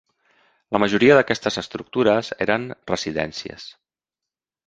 La majoria d'aquestes estructures eren residències.